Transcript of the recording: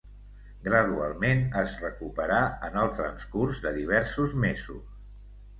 Gradualment es recuperà en el transcurs de diversos mesos.